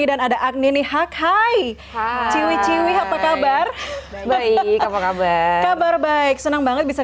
sosok makhluk mendamping manusia